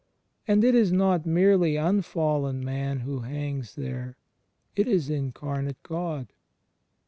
And it is not merely imfallen Man who hangs there, it is Incarnate God.